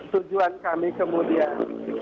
tujuan kami kemudian